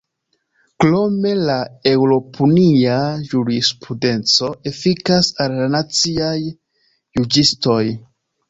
Krome, la eŭropunia jurisprudenco efikas al la naciaj juĝistoj.